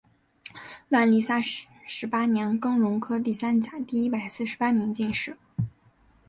万历三十八年庚戌科第三甲第一百四十八名进士。